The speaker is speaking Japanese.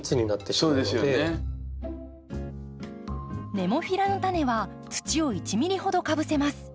ネモフィラのタネは土を１ｍｍほどかぶせます。